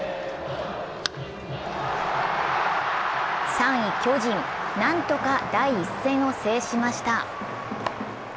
３位巨人、何とか第１戦を制しました。